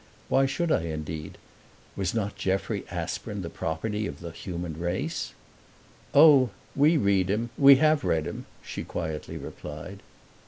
Why should I indeed was not Jeffrey Aspern the property of the human race? "Oh, we read him we HAVE read him," she quietly replied.